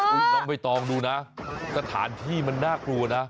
น้องใบตองดูนะสถานที่มันน่ากลัวนะ